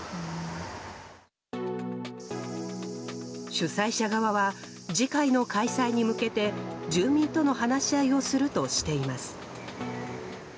主催者側は次回の開催に向けて住民との話し合いをするとしています。